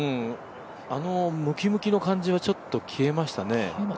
あのムキムキの感じはちょっと消えましたね。